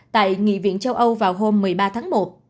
tại nghị viện châu âu vào hôm một mươi ba tháng một